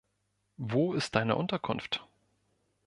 Wo ist deine Unterkunft?